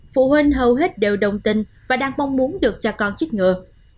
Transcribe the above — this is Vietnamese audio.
phụ huynh hầu hết đều đồng tình và đang mong muốn được cho con chích ngừa